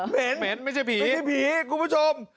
เผ็นเหม็นไม่ใช่ผีมีผีคุณผู้ชม